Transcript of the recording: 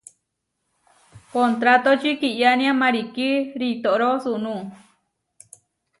Kontrátoči kiyánia marikí ritoro sunú.